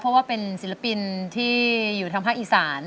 เพราะว่าเป็นศิลปินที่อยู่ทางภาคอีสาน